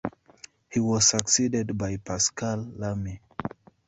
He was succeeded by Pascal Lamy.